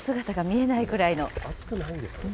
熱くないんですかね。